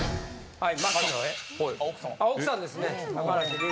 はい。